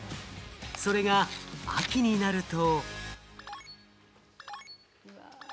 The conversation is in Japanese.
それが秋になると。